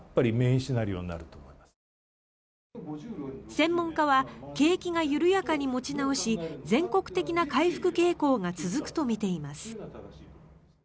専門家は景気が緩やかに持ち直し全国的な回復傾向が続くとみています。